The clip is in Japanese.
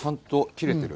切れてる？